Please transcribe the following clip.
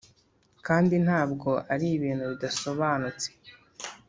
kandi ntabwo ari ibintu bidasobanutse